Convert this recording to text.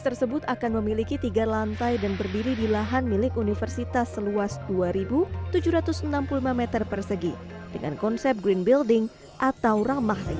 peletakan batu pertama menjadi tanda dibulainya pembangunan gedung pusat sains dan kemitraan universitas cenderawas